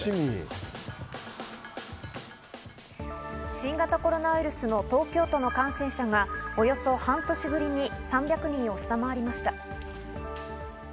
新型コロナウイルスの東京都の感染者がおよそ半年ぶりに３００人を下回りました。